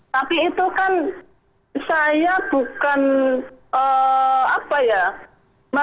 tapi itu kan saya bukan apa ya